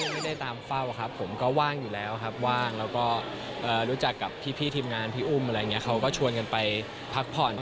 ไม่ได้ตามเฝ้าครับผมก็ว่างอยู่แล้วครับว่างแล้วก็รู้จักกับพี่ทีมงานพี่อุ้มอะไรอย่างนี้เขาก็ชวนกันไปพักผ่อน